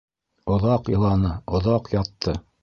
Оҙаҡ иланы, оҙаҡ ятты.